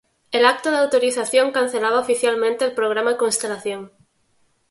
El acto de autorización cancelaba oficialmente el programa Constelación.